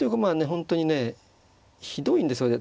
本当にねひどいんですよね